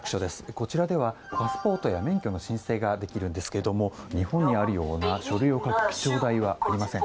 こちらでは、パスポートや免許の申請ができるんですが日本にあるような書類を書く記帳台はありません。